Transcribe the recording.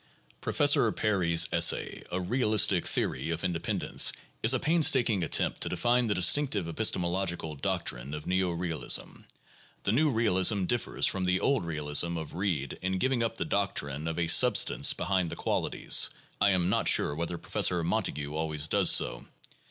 Professor Perry's essay, "A Realistic Theory of Independence," is a painstaking attempt to define the distinctive epistemologic doc trine of neo realism. The new realism differs from the old realism of Reid in giving up the doctrine of a substance behind the qualities. (I am not sure whether Professor Montague always does so.)